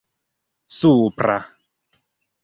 supra